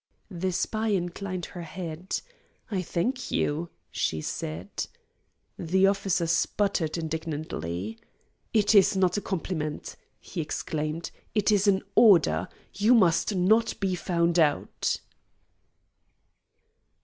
The spy inclined her head. "I thank you," she said. The officer sputtered indignantly. "It is not a compliment," he exclaimed; "it is an order. You must not be found out!"